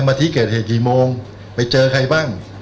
มาที่เกิดเหตุกี่โมงไปเจอใครบ้าง